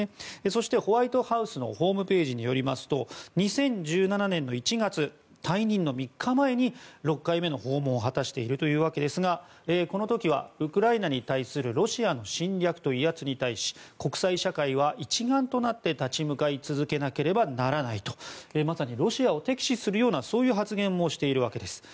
そして、ホワイトハウスのホームページによりますと２０１７年１月、退任の３日前に６回目の訪問を果たしているというわけですがこの時はウクライナに対するロシアの侵略と威圧に対し国際社会は一丸となって立ち向かい続けなければならないとまさにロシアを敵視するような発言もしているわけです。